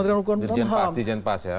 dirjen pas dirjen pas ya